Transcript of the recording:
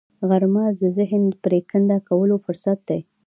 غرمه د ذهن د پرېکنده کولو فرصت دی